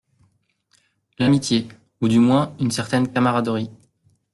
L’amitié, ou du moins une certaine camaraderie